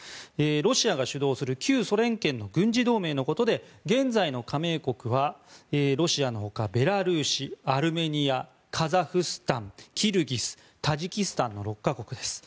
ロシアが主導する旧ソ連圏の軍事同盟のことで現在の加盟国はロシアのほかベラルーシ、アルメニアカザフスタンキルギス、タジキスタンの６か国です。